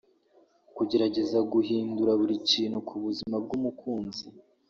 Kugerageza guhindura buri kintu ku buzima bw’umukunzi